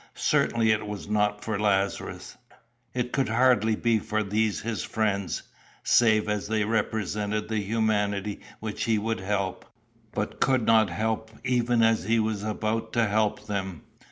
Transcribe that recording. Certainly it was not for Lazarus; it could hardly be for these his friends save as they represented the humanity which he would help, but could not help even as he was about to help them.